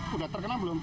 sudah terkena belum